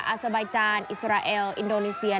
อาเซอร์บายจานอิสราเอลอินโดนีเซีย